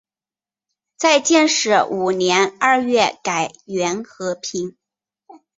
在建始五年二月改元河平。